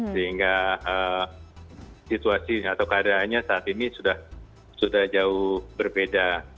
sehingga situasi atau keadaannya saat ini sudah jauh berbeda